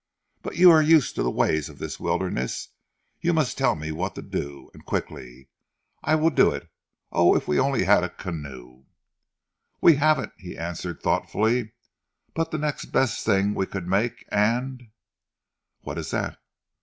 But you are used to the ways of this wilderness. You must tell me what to do, and quickly, and I will do it. Oh if we only had a canoe!" "We haven't," he answered thoughtfully, "but the next best thing, we could make, and " "What is that?"